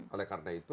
oleh karena itu